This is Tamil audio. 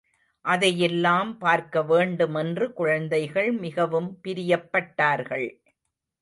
அதையெல்லாம் பார்க்கவேண்டுமென்று குழந்தைகள் மிகவும் பிரியப்பட்டார்கள்.